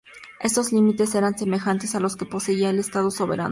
Estos límites eran semejantes a los que poseía el Estado Soberano.